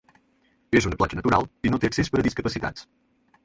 És una platja natural i no té accés per a discapacitats.